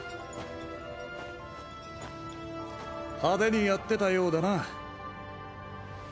派手にやってたようだな。